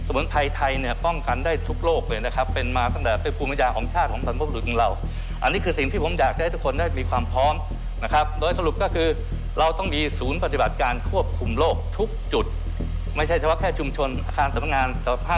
ไม่เฉพาะแค่ชุมชนอาคารสมรมงานสวัสดีภาพธนตรีชนอาหาร